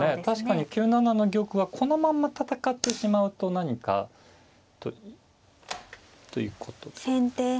確かに９七の玉はこのまんま戦ってしまうと何かということで。